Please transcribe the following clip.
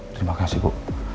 terima kasih bu